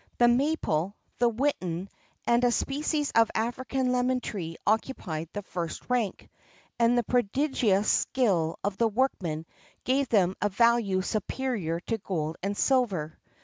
[XXXII 12] The maple, the whitten, and a species of African lemon tree occupied the first rank,[XXXII 13] and the prodigious skill of the workmen gave them a value superior to gold and silver.